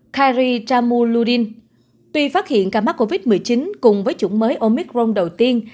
khairi jamuluddin tuy phát hiện ca mắc covid một mươi chín cùng với chủng mới omicron đầu tiên